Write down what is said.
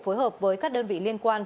phối hợp với các đơn vị liên quan